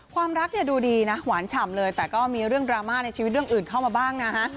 ความรักเนี่ยดูดีนะหวานฉ่ำเลยแต่ก็มีเรื่องดราม่าในชีวิตเรื่องอื่นเข้ามาบ้างนะฮะ